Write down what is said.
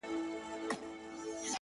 خود دي خالونه په واوښتل.!